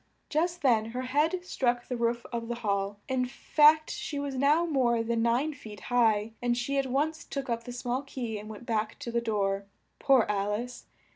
Just then her head struck the roof of the hall; in fact she was now more than nine feet high, and she at once took up the small key and went back to the door. Poor Al ice!